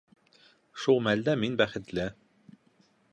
Шул мәлдә мин бәхетле.